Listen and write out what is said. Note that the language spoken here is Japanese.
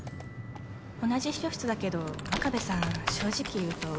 同じ秘書室だけど真壁さん正直言うと浮いてたから。